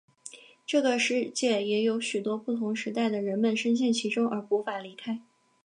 这个世界也有许多不同时代的人们身陷其中而无法离开。